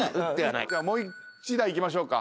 もう１打いきましょうか。